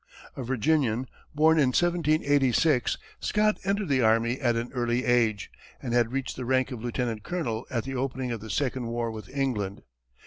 A Virginian, born in 1786, Scott entered the army at an early age, and had reached the rank of lieutenant colonel at the opening of the second war with England.